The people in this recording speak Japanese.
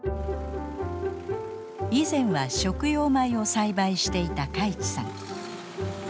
以前は食用米を栽培していた海地さん。